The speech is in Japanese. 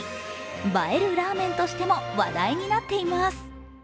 映えるラーメンとしても話題になっています。